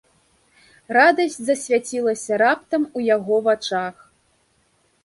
Радасць засвяцілася раптам у яго вачах.